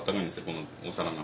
このお皿が。